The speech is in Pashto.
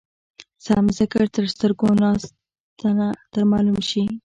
سم ذکر تر سترګو ناسنته در معلوم شي.